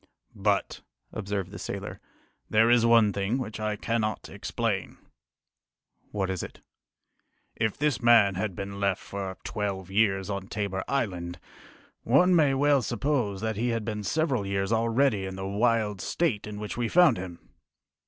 "But," observed the sailor, "there is one thing which I cannot explain." "What is it?" "If this man had been left for twelve years on Tabor Island, one may well suppose that he had been several years already in the wild state in which we found him!"